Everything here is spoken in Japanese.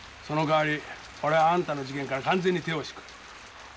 そのかわり俺はあんたの事件から完全に手を引く。